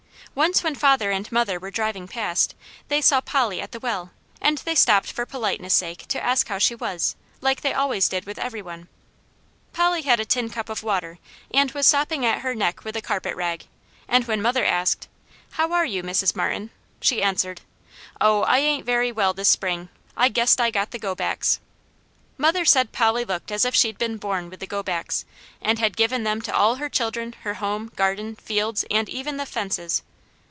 Once when father and mother were driving past, they saw Polly at the well and they stopped for politeness sake to ask how she was, like they always did with every one. Polly had a tin cup of water and was sopping at her neck with a carpet rag, and when mother asked, "How are you, Mrs. Martin?" she answered: "Oh I ain't very well this spring; I gest I got the go backs!" Mother said Polly looked as if she'd been born with the "go backs," and had given them to all her children, her home, garden, fields, and even the FENCES.